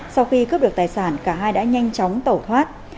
sau khi cướp được tài sản cả hai đã nhanh chóng tẩu thoát